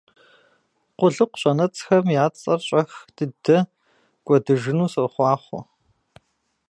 Къулыкъу щӀэнэцӀхэм я цӀэр щӀэх дыдэ кӀуэдыжыну сохъуахъуэ!